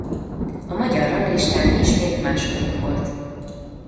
A magyar ranglistán ismét második volt.